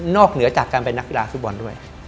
เหนือจากการเป็นนักกีฬาฟุตบอลด้วย